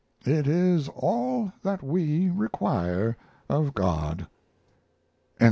It is all that we require of God. CCXCVI.